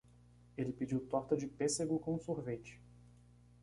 Ele pediu torta de pêssego com sorvete.